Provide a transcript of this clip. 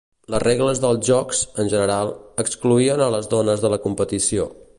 Les regles dels jocs, en general, excloïen a les dones de la competició.